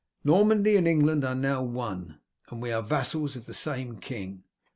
Normandy and England are now one, and we are vassals of the same king.